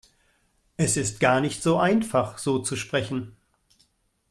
Es ist gar nicht so einfach, so zu sprechen.